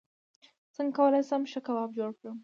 څنګه کولی شم ښه کباب جوړ کړم